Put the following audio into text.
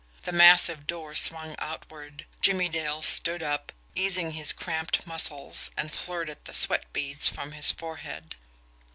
The massive door swung outward. Jimmie Dale stood up, easing his cramped muscles, and flirted the sweat beads from his forehead.